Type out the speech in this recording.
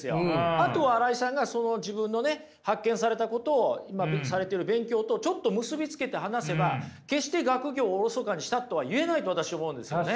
あとは新井さんが自分の発見されたことを今されてる勉強とちょっと結び付けて話せば決して学業をおろそかにしたとは言えないと私思うんですよね。